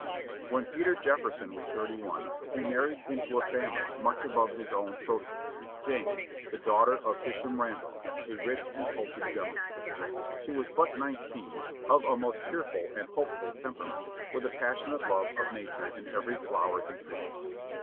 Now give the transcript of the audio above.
When Peter Jefferson was thirty one, he married into a family much above his own socially Jane, the daughter of Isham Randolph, a rich and cultured gentleman. She was but nineteen, of a most cheerful and hopeful temperament, with a passionate love of nature in every flower and tree.